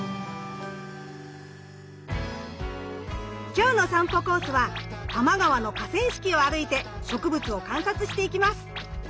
今日の散歩コースは多摩川の河川敷を歩いて植物を観察していきます。